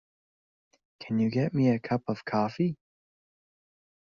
Can you get me a cup of coffee?